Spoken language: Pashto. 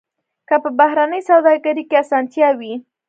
که په بهرنۍ سوداګرۍ کې اسانتیا وي.